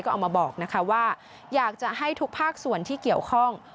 ก็เอามาบอกนะคะว่าอยากจะให้ทุกภาคส่วนที่เกี่ยวข้อง